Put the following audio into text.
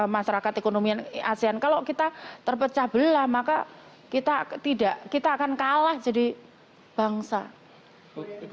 masyarakat ekonomi dan asean kalau kita terpecahbelah maka kita tidak kita akan kalah jadi bangsa pva